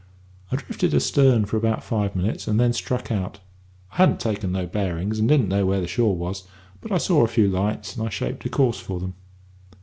I drifted astern for about five minutes, and then struck out. I hadn't taken no bearings, and didn't know where the shore was; but I saw a few lights, and I shaped a course for them.